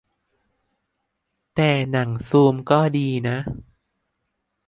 - แต่ "หนังซูม" ก็ดีนะ